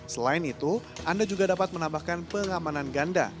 selain itu anda juga dapat menambahkan pengamanan ganda